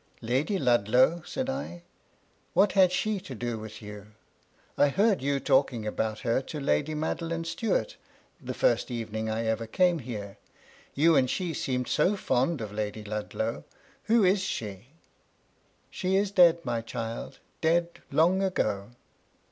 ^^ Lady Ludlow," said I, ^^ what had she to do with you? I heard you talking about her to Lady Made BOUKD THE SOFA. 11 line Stuart the first eyening I ever came here; you and she seemed so fond of Lady Ludlow ; who is she ?'^^ She is dead, my child ; dead long ago."